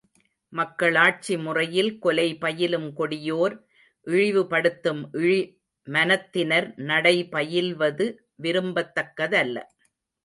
மக்களாட்சி முறையில் கொலை பயிலும் கொடியோர், இழிவுபடுத்தும் இழி மனத்தினர் நடைபயில்வது விரும்பத்தக்கதல்ல.